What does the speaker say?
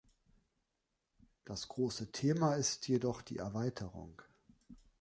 Das große Thema ist jedoch die Erweiterung.